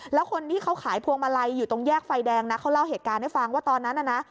แล้วคนที่เขาขายพวงมาลัยอยู่ตรงแยกไฟแดงนะเขาเล่าเหตุการณ์ให้ฟังว่าตอนนั้นน่ะนะ